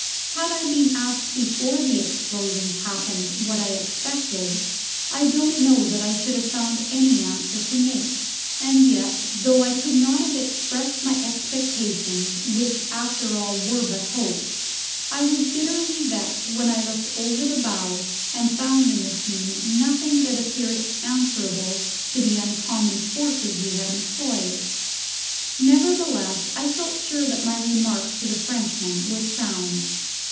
Had I been asked before the explosions happened what I expected, I don't know that I should have found any answer to make; and yet, though I could not have expressed my expectations, which after all were but hopes, I was bitterly vexed when I looked over the bows and found in the scene nothing that appeared answerable to the uncommon forces we had employed. Nevertheless, I felt sure that my remark to the Frenchman was sound.